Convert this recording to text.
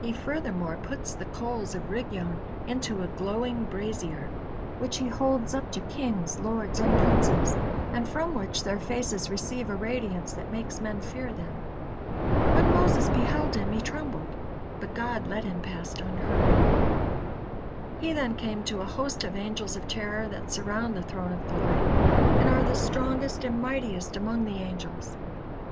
He furthermore puts the coals of Rigyon into a glowing brazier, which he holds up to kings, lords, and princes, and from which their faces receive a radiance that makes men fear them. When Moses beheld him, he trembled, but God led him past unhurt. He then came to a host of Angels of Terror that surround the Throne of Glory, and are the strongest and mightiest among the angels.